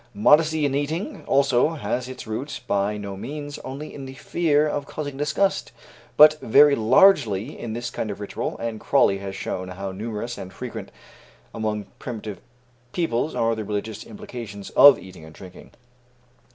Modesty in eating, also, has its roots by no means only in the fear of causing disgust, but very largely in this kind of ritual, and Crawley has shown how numerous and frequent among primitive peoples are the religious implications of eating and drinking.